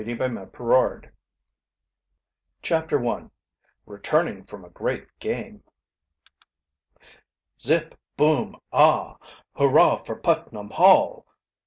June 20, 1900 CHAPTER I RETURNING FROM A GREAT GAME "Zip! Boom! Ah!" "Hurrah for Putnam Hall!"